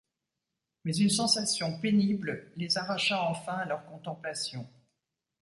Mais une sensation pénible les arracha enfin à leur contemplation.